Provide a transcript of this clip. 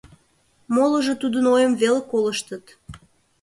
Молыжо тудын ойым веле колыштыт.